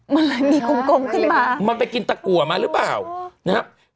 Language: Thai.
มันอะไรมีกลมกลมขึ้นมามันไปกินตะกัวมาหรือเปล่านะฮะ